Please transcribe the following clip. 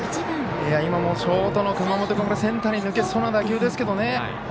今もショートの熊本君センターに抜けそうな打球ですけどね。